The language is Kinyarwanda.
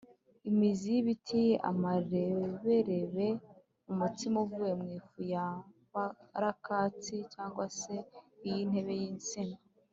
imizi y’ibiti, amareberebe, umutsima uvuye mu ifu ya barakatsi (acacia) cyangwa se y’intembe y’insina.